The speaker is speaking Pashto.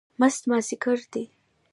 مست مازدیګر دی